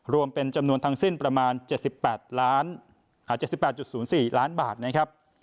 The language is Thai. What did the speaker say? รวมเป็นจำนวนทางสิ้นประมาณเจ็ดสิบแปดล้านอ่าเจ็ดสิบแปดจุดศูนย์สี่ล้านบาทนะครับ